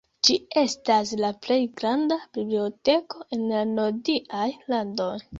Ĝi estas la plej granda biblioteko en la nordiaj landoj.